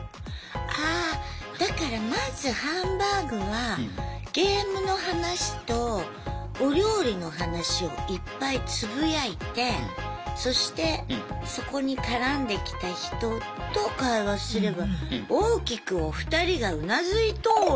ああだからまずハンバーグはゲームの話とお料理の話をいっぱいつぶやいてそしてそこに絡んできた人と会話すれば大きくおふたりがうなずいとる。